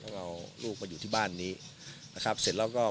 เราเอาลูกมาอยู่ที่บ้านนี้นะครับเสร็จแล้วก็